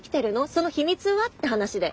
その秘密は？って話で。